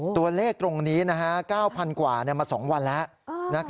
ตัวเลขตรงนี้๙๐๐กว่ามา๒วันแล้ว